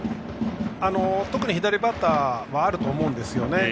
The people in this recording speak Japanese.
特に左バッターはあると思うんですよね。